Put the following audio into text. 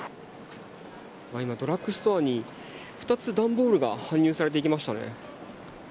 ドラッグストアに２つ、段ボールが搬入されていきましたね。